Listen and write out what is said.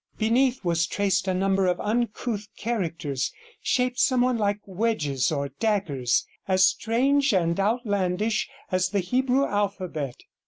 Beneath was traced a number of uncouth characters, shaped somewhat like wedges or daggers, as strange and outlandish as the Hebrew alphabet.